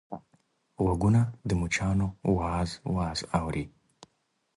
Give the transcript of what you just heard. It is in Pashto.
غوږونه د مچانو واز واز اوري